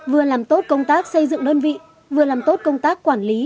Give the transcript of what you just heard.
vừa làm tốt công tác xây dựng đơn vị vừa làm tốt công tác quản lý